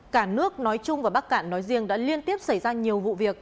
cả nước nói chung và bắc cạn nói riêng đã liên tiếp xảy ra nhiều vụ việc